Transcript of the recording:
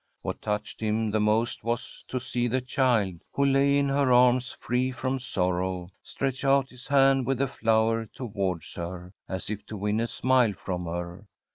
Wliat touched him the most was to see the child, who lay in her arms free from sorrow* stretch out his hand with a flower tow ards her* as if to win a smile from her.